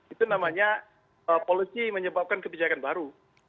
itu namanya policy menyebabkan kebijakan baru